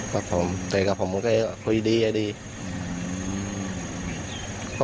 กับผมแต่กับผมก็คุยดีอ่ะดีอืม